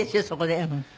そこで。